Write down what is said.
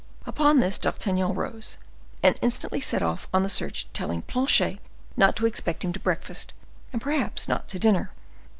Upon this D'Artagnan rose, and instantly set off on the search, telling Planchet not to expect him to breakfast, and perhaps not to dinner.